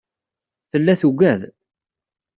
Tella tugad.